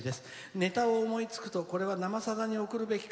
ネタを思いつくとこれは「生さだ」に送るべきか